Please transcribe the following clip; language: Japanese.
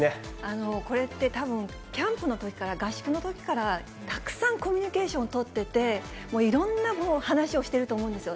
これってたぶん、キャンプのときから、合宿のときから、たくさんコミュニケーションを取ってて、もういろんな話をしてると思うんですよ。